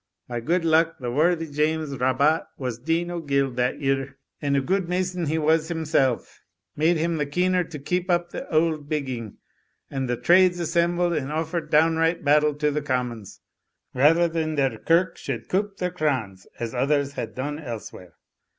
By good luck, the worthy James Rabat was Dean o' Guild that year (and a gude mason he was himself, made him the keener to keep up the auld bigging) and the trades assembled, and offered downright battle to the commons, rather than their kirk should coup the crans as others had done elsewhere.